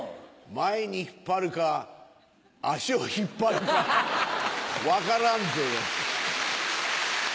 前に引っ張るか足を引っ張るか分からんぜよ。